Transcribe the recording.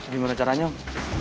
gimana caranya om